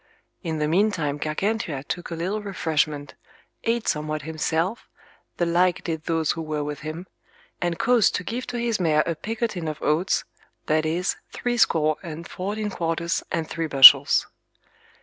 In the meantime Gargantua took a little refreshment, ate somewhat himself, the like did those who were with him, and caused to give to his mare a picotine of oats, that is, three score and fourteen quarters and three bushels.